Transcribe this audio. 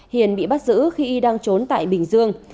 hiền bị bắt giữ khi y đang trốn tại bình dương